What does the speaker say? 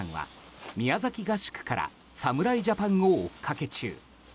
広島県在住の河原さんは宮崎合宿から侍ジャパンを追っかけ中。